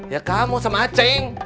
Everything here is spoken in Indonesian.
ya kamu sama acing